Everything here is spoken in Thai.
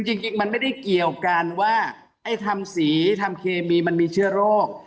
จริงมันไม่ได้เกี่ยวกันว่าไอ้ทำสีทำเคมีมันมีเชื้อโรค